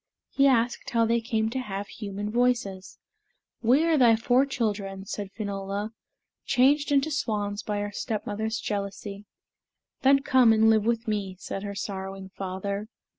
He asked how they came to have human voices. "We are thy four children," said Finola, "changed into swans by our stepmother's jealousy." "Then come and live with me," said her sorrowing father.